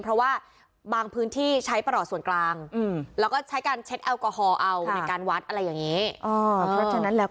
เพราะว่าบางพื้นที่ใช้ประหลอดส่วนกลางแล้วก็ใช้การเช็ดแอลกอฮอลเอาในการวัดอะไรอย่างนี้